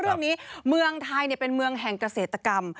เรื่องนี้เมืองไทยเนี่ยเป็นเมืองแห่งเกษตรกรรม